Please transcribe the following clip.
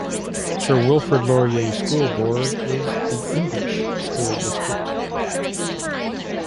Sir Wilfrid Laurier School Board is the English school district.